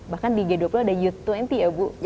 bahkan di g dua puluh ada u dua puluh ya bu